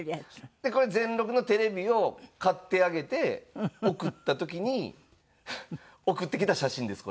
これ全録のテレビを買ってあげて送った時に送ってきた写真です